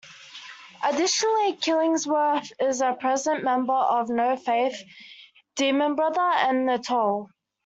Additionally, Killingsworth is a present member of No Faith, Demonbrother, and The Toll.